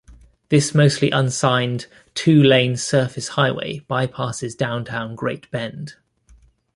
This mostly unsigned, two-lane surface highway bypasses downtown Great Bend.